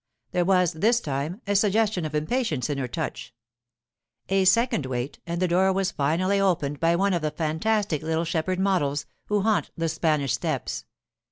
There was, this time, a suggestion of impatience in her touch. A second wait, and the door was finally opened by one of the fantastic little shepherd models, who haunt the Spanish steps.